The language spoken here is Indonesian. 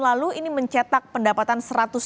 lalu ini mencetak pendapatan